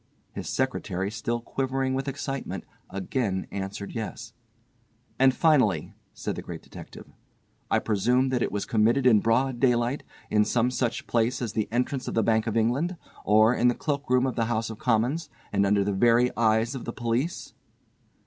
His secretary, still quivering with excitement, again answered yes. "And finally," said the Great Detective, "I presume that it was committed in broad daylight, in some such place as the entrance of the Bank of England, or in the cloak room of the House of Commons, and under the very eyes of the police?"